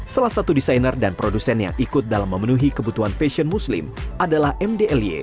salah satu desainer dan produsen yang ikut dalam memenuhi kebutuhan fashion muslim adalah mdly